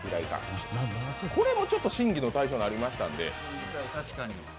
これも審議の対象になりましたんで。